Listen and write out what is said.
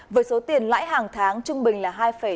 với số tiền lãi hàng tháng trung bình là hai bảy